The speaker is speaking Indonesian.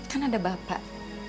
kan ada bapak